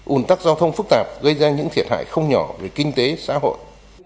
ủn tắc giao thông phức tạp gây ra những thiệt hại không nhỏ về kinh tế xã hội